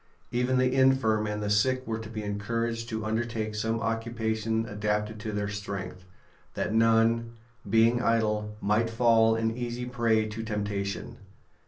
Even the infirm and the sick were to be encouraged to under take some occupation adapted to their strength^ that none, being idle, might fall an easy prey to temptation.